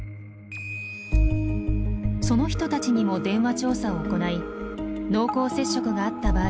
その人たちにも電話調査を行い濃厚接触があった場合